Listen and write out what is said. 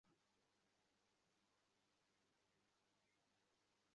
দেবতার পূজোর জন্য একটুকরো জমিতে আবাদ করেছি।